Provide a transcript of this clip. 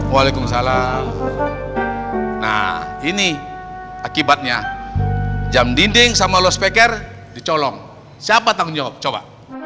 waalaikumsalam nah ini akibatnya jam dinding sama lost packer dicolong siapa tanggung jawab coba